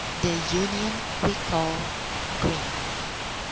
This union we call green.